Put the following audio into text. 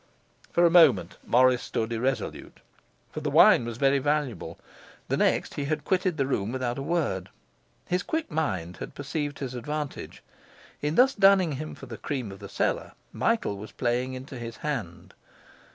For a moment Morris stood irresolute, for the wine was very valuable: the next he had quitted the room without a word. His quick mind had perceived his advantage; in thus dunning him for the cream of the cellar, Michael was playing into his hand.